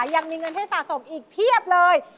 ยังมีเงินให้สะสมอีกเพียบเลย